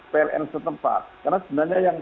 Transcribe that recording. pln setempat karena sebenarnya yang